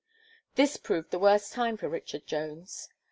This proved the worst time for Richard Jones.